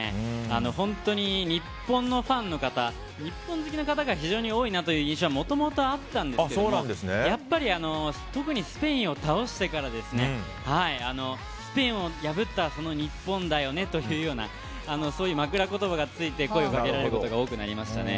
本当に日本のファンの方日本好きな方が非常に多いなという印象はもともとあったんですけどやっぱり特にスペインを倒してからスペインを破ったあの日本だよねという枕詞がついて声をかけられることが多くなりましたね。